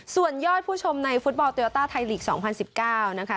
ส่วนยอดผู้ชมในฟุตบอลโยต้าไทยลีก๒๐๑๙นะคะ